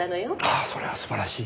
ああそれは素晴らしい。